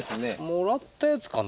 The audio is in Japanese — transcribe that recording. もらったやつかな？